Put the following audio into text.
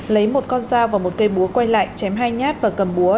lấy một con dao và một cây búa quay lại chém hai nhát và cầm búa